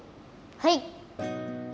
はい。